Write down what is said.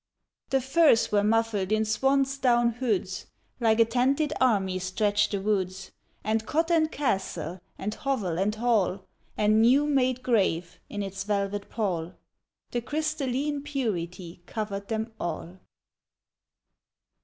The firs were muffled in swan's down hoods, Like a tented army stretched the woods, And cot and castle and hovel and hall, And new made grave, in its velvet pall, The crystalline purity covered them all.